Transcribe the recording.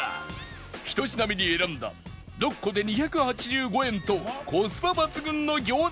１品目に選んだ６個で２８５円とコスパ抜群の餃子の順位は？